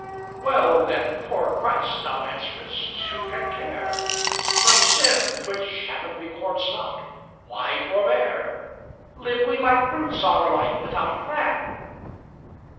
"Well, then, for Christ," thou answerest, "who can care? From sin, which Heaven records not, why forbear? Live we like brutes our life without a plan!"